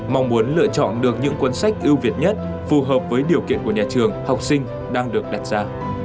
mong muốn lựa chọn được những cuốn sách ưu việt nhất phù hợp với điều kiện của nhà trường học sinh đang được đặt ra